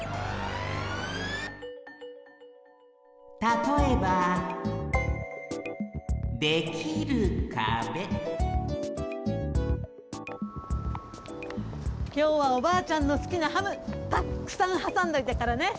たとえばきょうはおばあちゃんのすきなハムたっくさんはさんどいたからね。